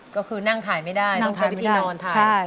ก็คือนั่งถ่ายไม่ได้ต้องใช้วิธีนอนถ่ายนั่งถ่ายไม่ได้ใช่